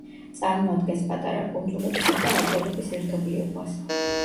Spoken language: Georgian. წარმოადგენს პატარა კუნძულებისა და ატოლების ერთობლიობას.